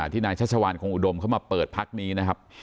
นายชัชวานคงอุดมเข้ามาเปิดพักนี้นะครับ